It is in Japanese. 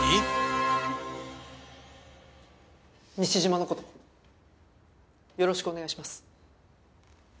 西島の事よろしくお願いします。